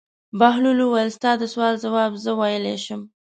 بهلول وویل: ستا د سوال ځواب زه ویلای شم.